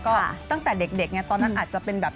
ก็ตั้งแต่เด็กไงตอนนั้นอาจจะเป็นแบบ